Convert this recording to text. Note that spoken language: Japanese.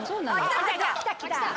来た来た。